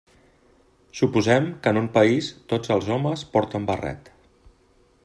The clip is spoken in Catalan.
Suposem que en un país tots els homes porten barret.